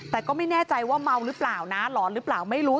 แต่ก็ไม่แน่ใจว่าเมาหรือเปล่านะหลอนหรือเปล่าไม่รู้